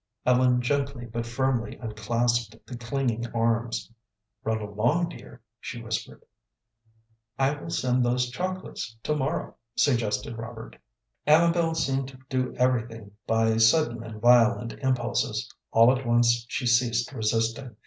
Ellen gently but firmly unclasped the clinging arms. "Run along, dear," she whispered. "I will send those chocolates to morrow," suggested Robert. Amabel seemed to do everything by sudden and violent impulses. All at once she ceased resisting.